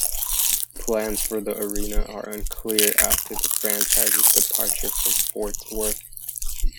Plans for the arena are unclear after the franchise's departure from Fort Worth.